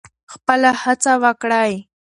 خپله هڅه وکړئ.